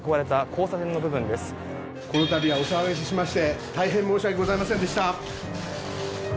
このたびはお騒がせしまして大変申し訳ございませんでした。